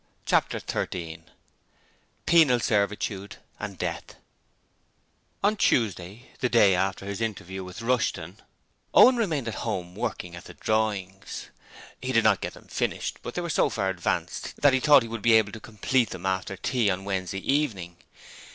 Chapter 13 Penal Servitude and Death On Tuesday the day after his interview with Rushton Owen remained at home working at the drawings. He did not get them finished, but they were so far advanced that he thought he would be able to complete them after tea on Wednesday evening.